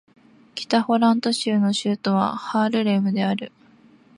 北ホラント州の州都はハールレムである